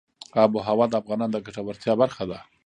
آب وهوا د افغانانو د ګټورتیا برخه ده.